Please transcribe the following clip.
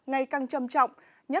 ngày càng trầm trọng